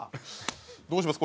どうします？